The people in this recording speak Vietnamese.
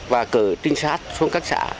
và cử trinh sát xuống các xã